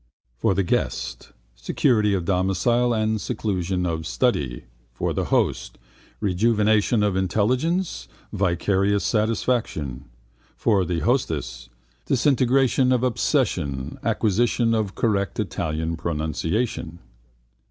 For the guest: security of domicile and seclusion of study. For the host: rejuvenation of intelligence, vicarious satisfaction. For the hostess: disintegration of obsession, acquisition of correct Italian pronunciation.